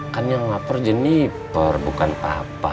kan yang lapar jennifer bukan papa